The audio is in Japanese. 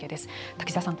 滝沢さん